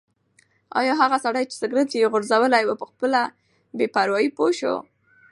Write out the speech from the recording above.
ایا هغه سړی چې سګرټ یې غورځولی و په خپله بې پروايي پوه شو؟